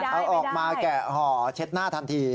เอาออกมาแกะห่อเช็ดหน้าทันที